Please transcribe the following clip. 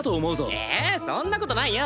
えっそんなことないよ。